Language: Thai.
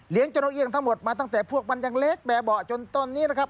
เจ้านกเอี่ยงทั้งหมดมาตั้งแต่พวกมันยังเล็กแบบเบาะจนต้นนี้นะครับ